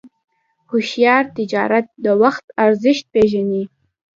هوښیار تجارت د وخت ارزښت پېژني.